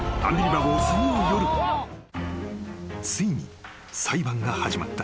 ［ついに裁判が始まった］